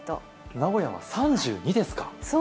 名古屋は３２度ですか。